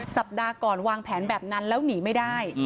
สัปดาห์ก่อนวางแผนแบบนั้นแล้วหนีไม่ได้